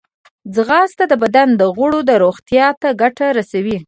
ځغاسته د بدن د غړو روغتیا ته ګټه رسوي